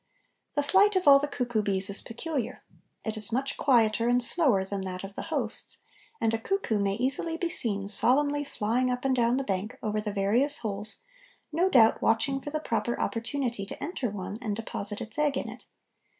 The flight of all the cuckoo bees is peculiar; it is much quieter and slower than that of the hosts, and a cuckoo may easily be seen solemnly flying up and down the bank, over the various holes, no doubt watching for the proper opportunity to enter one, and deposit its egg in it.